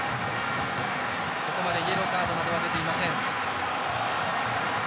ここまでイエローカードなどは出ていません。